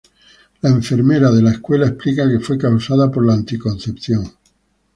La enfermera de la escuela explica que fue causada por la anticoncepción.